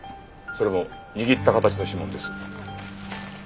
それも握った形の指紋です。